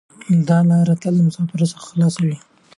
دا لاره تل د مسافرو لپاره خلاصه وي.